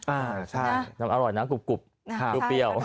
อ่าใช่น้ำอร่อยนะกรุบทางดูเปรี้ยว